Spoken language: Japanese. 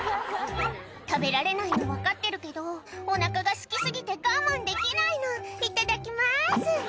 「食べられないの分かってるけどお腹がすき過ぎて我慢できないのいただきます」